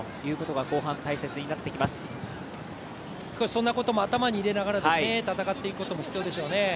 そんなことも頭に入れながら戦っていくことも必要でしょうね。